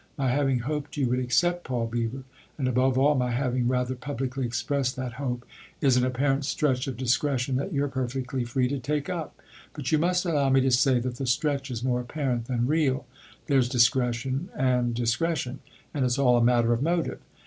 My having hoped you would accept Paul Beever, and above all my having rather publicly expressed that hope, is an apparent stretch of discretion that you're perfectly free to take up. But you must allow me to say that the stretch is more apparent than real. There's discretion and discretion and it's all a matter of motive.